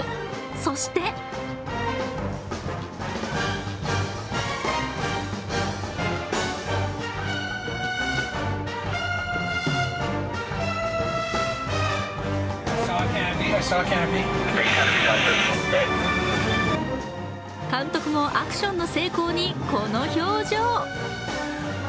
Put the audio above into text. そして監督もアクションの成功に、この表情。